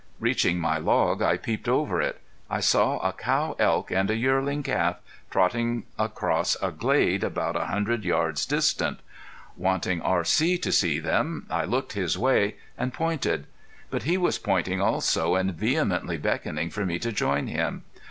Reaching my log I peeped over it. I saw a cow elk and a yearling calf trotting across a glade about a hundred yards distant. Wanting R.C. to see them I looked his way, and pointed. But he was pointing also and vehemently beckoning for me to join him.